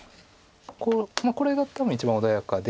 これが多分一番穏やかで。